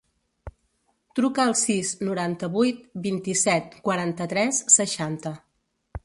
Truca al sis, noranta-vuit, vint-i-set, quaranta-tres, seixanta.